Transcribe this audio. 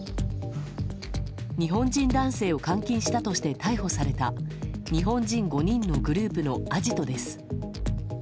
日本人男性を監禁したとして逮捕された日本人５人のグループのアジトです。